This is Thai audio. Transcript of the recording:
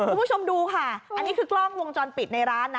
คุณผู้ชมดูค่ะอันนี้คือกล้องวงจรปิดในร้านนะ